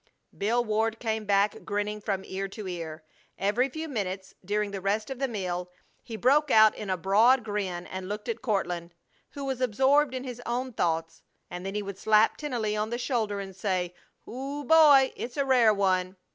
Bill Ward came back, grinning from ear to ear. Every few minutes during the rest of the meal he broke out in a broad grin and looked at Courtland, who was absorbed in his own thoughts; and then he would slap Tennelly on the shoulder and say: "Ho! boy! It's a rare one!"